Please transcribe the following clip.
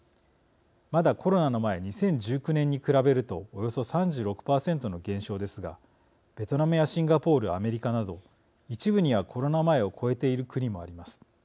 まだコロナの前２０１９年に比べるとおよそ３６％の減少ですがベトナムやシンガポールアメリカなど、一部にはコロナ前を超えている国もあります。